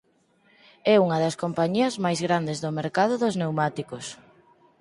É unha das compañías máis grandes do mercado dos pneumáticos.